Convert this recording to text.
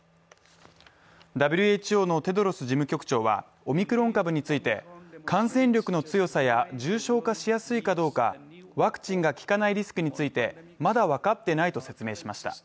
ＷＨＯのテドロス事務局長は、オミクロン株について感染力の強さや重症化しやすいかどうかワクチンが効かないリスクについて、まだ分かってないと説明しました。